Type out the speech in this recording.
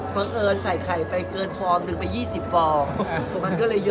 บอกว่าเหมือนอาถิกายคนเขาก็ก้นเลย